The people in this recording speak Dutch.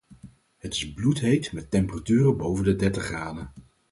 Het is bloedheet, met temperaturen boven de dertig graden.